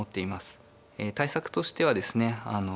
え対策としてはですね